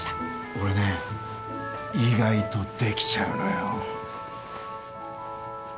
俺ね意外とできちゃうのよ。